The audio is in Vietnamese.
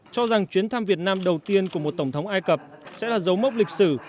cho rằng chuyến thăm việt nam đầu tiên của một tổng thống ai cập sẽ là dấu mốc lịch sử